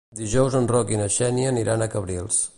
Dijous en Roc i na Xènia aniran a Cabrils.